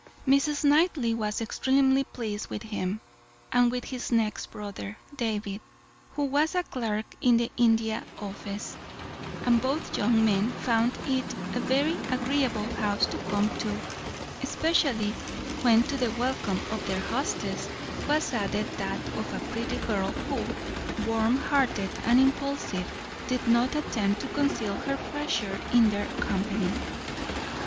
Mrs. Knightley was extremely pleased with him, and with his next brother, David, who was a clerk in the India Office, and both young men found it a very agreeable house to come to, especially when to the welcome of their hostess was added that of a pretty girl who, warm hearted and impulsive, did not attempt to conceal her pleasure in their company.